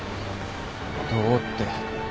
どうって。